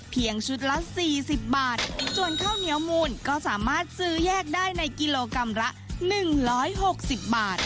เพียงชุดละสี่สิบบาทส่วนข้าวเหนียวมูลก็สามารถซื้อแยกได้ในกิโลกรัมละหนึ่งร้อยหกสิบบาท